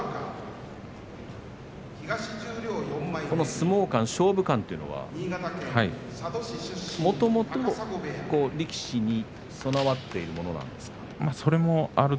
この、相撲勘、勝負勘というのはもともと力士に備わっているものなんですか。